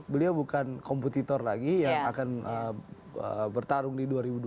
beliau bukan kompetitor lagi yang akan bertarung di dua ribu dua puluh